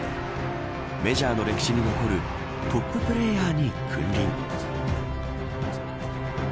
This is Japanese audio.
メジャーの歴史に残るトッププレーヤーに君臨。